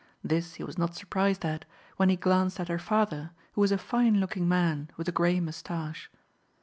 This he was not surprised at, when he glanced at her father, who was a fine looking man, with a gray moustache.